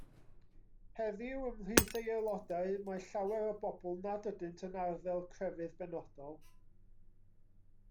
Heddiw ymhlith ei aelodau mae llawer o bobl nad ydynt yn arddel crefydd benodol.